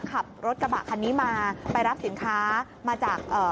ขับรถกระบะคันนี้มาไปรับสินค้า